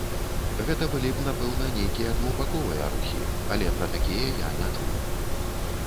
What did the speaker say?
Гэта былі б, напэўна, нейкія двухбаковыя рухі, але пра такія я не чуў.